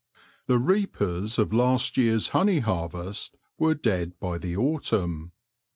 The reapers of last year's honey harvest were dead by the autumn.